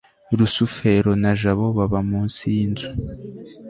rusufero na jabo baba munsi yinzu